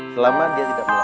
selama dia tidak melakukan